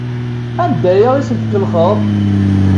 Anda ay asent-tkellxeḍ?